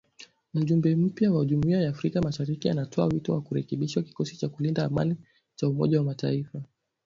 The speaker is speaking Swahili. Mjumbe mpya wa Jumuiya ya Afrika Mashariki anatoa wito wa kurekebishwa kikosi cha kulinda amani cha umoja wa mataifa.